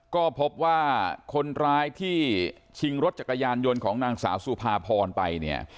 ก็พบว่าคนร้ายที่ชิงรถจักรยานยนต์ของนางสาวสุภาพรไปเนี่ย